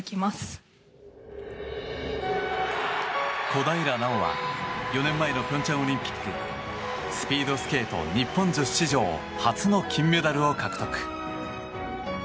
小平奈緒は４年前の平昌オリンピックスピードスケート日本女子史上初の金メダルを獲得。